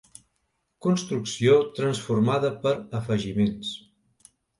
Construcció transformada per afegiments.